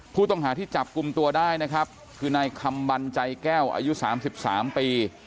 ผู้ต้องหาที่จับกลุ่มตัวได้นะครับคือนายคำบันใจแก้วอายุ๓๓ปี